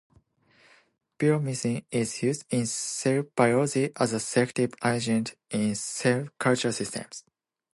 Puromycin is used in cell biology as a selective agent in cell culture systems.